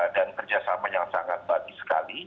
dan kerjasama yang sangat baik sekali